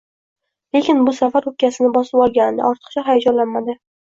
Lekin bu safar oʻpkasini bosib olgandi, ortiqcha hayajonlanmadi